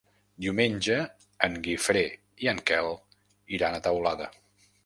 Diumenge en Guifré i en Quel iran a Teulada.